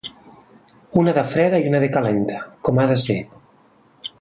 Una de freda i una de calenta, com ha de ser.